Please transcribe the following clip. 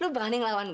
lu berani ngelawan gua